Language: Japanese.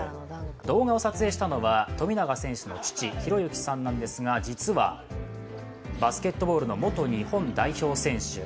動画を撮影したのは富永選手の父・啓之さんなんですが実は、バスケットボールの元日本代表選手。